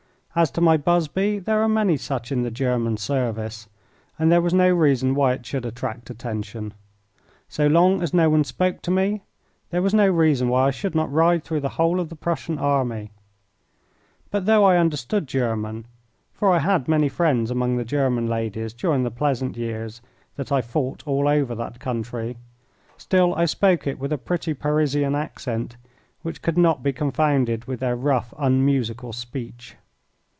As to my busby, there are many such in the German service, and there was no reason why it should attract attention. So long as no one spoke to me there was no reason why I should not ride through the whole of the Prussian army; but though I understood German, for I had many friends among the German ladies during the pleasant years that I fought all over that country, still I spoke it with a pretty Parisian accent which could not be confounded with their rough, unmusical speech.